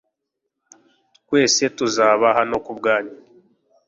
Twese tuzaba hano kubwanyu .